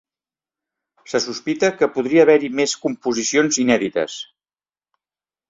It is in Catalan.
Se sospita que podria haver-hi més composicions inèdites.